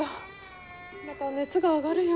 また熱が上がるよ。